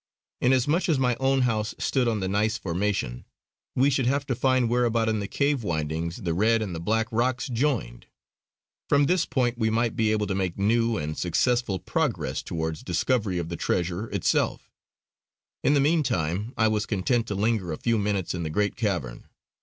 Inasmuch as my own house stood on the gneiss formation, we should have to find whereabout in the cave windings the red and the black rocks joined. From this point we might be able to make new and successful progress towards discovery of the treasure itself. In the meantime I was content to linger a few minutes in the great cavern.